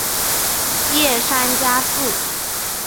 叶山嘉树。